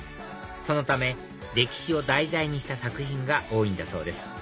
そのため歴史を題材にした作品が多いんだそうです